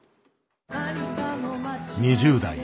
２０代。